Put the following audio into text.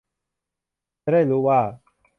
จะได้รู้ว่า